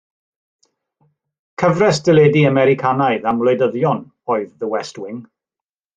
Cyfres deledu Americanaidd am wleidyddion oedd The West Wing.